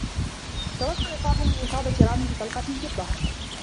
توصّل فاضل من إصابة رامي بطلقة في الظّهر.